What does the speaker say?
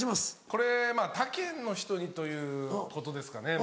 これ他県の人にということですかね。